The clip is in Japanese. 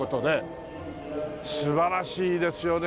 素晴らしいですよね